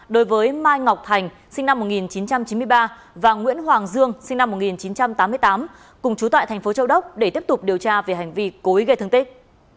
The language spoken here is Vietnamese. đối với mai ngọc thành sinh năm một nghìn chín trăm chín mươi ba và nguyễn hoàng dương sinh năm một nghìn chín trăm tám mươi tám cùng chú tại tp châu đốc để tiếp tục điều tra về hành vi cố ý gây thương tích